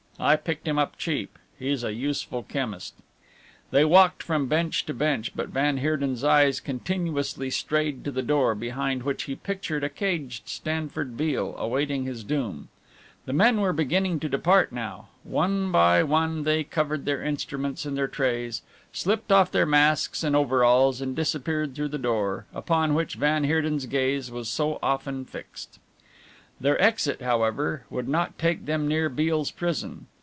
I picked him up cheap. He's a useful chemist." They walked from bench to bench, but van Heerden's eyes continuously strayed to the door, behind which he pictured a caged Stanford Beale, awaiting his doom. The men were beginning to depart now. One by one they covered their instruments and their trays, slipped off their masks and overalls and disappeared through the door, upon which van Heerden's gaze was so often fixed. Their exit, however, would not take them near Beale's prison.